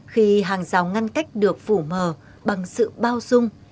khi hàng rào ngăn cách được phủ mờ bằng sự bao dung